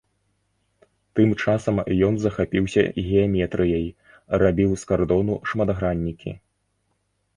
Тым часам ён захапіўся геаметрыяй, рабіў з кардону шматграннікі.